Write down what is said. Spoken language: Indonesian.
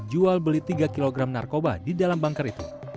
jual beli tiga kg narkoba di dalam banker itu